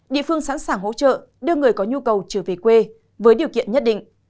địa phương sẵn sàng hỗ trợ đưa người có nhu cầu trở về quê với điều kiện nhất định